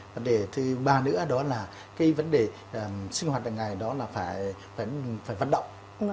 vấn đề thứ ba nữa đó là cái vấn đề sinh hoạt hàng ngày đó là phải vận động